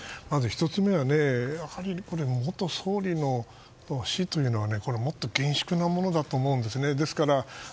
１つ目は、元総理の死というのはもっと厳粛なものだと思うんですね。